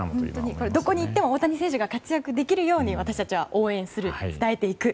どこに行っても大谷選手が活躍できるように私たちは応援する、伝えていく。